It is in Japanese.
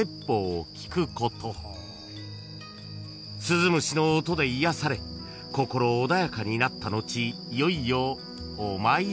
［鈴虫の音で癒やされ心穏やかになった後いよいよお参り］